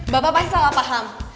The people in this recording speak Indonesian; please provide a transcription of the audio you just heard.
bapak pasti salah paham